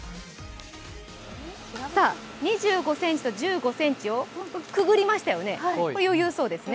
２５ｃｍと１５ｃｍをくぐりましたよね、余裕そうですね。